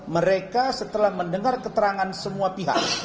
mereka setelah mendengar keterangan semua pihak